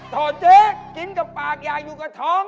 โทษเจ๊กินกับปากอยากอยู่กับท้อง